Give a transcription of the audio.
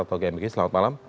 atau gmpk selamat malam